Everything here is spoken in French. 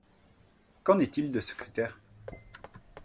Qu’en est-il de ce critère?